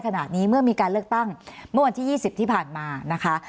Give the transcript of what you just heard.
ขณะนี้เมื่อมีการเลือกตั้งเมื่อวันที่๒๐ที่ผ่านมานะคะ